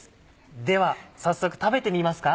では早速食べてみますか？